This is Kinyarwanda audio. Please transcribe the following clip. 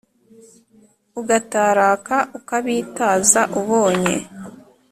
ugataraka ukabitaza ubonye